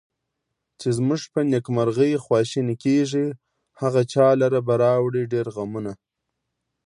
چې زمونږ په نیکمرغي خواشیني کیږي، هغه چا لره به راوړي ډېر غمونه